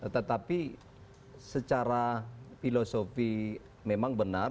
tetapi secara filosofi memang benar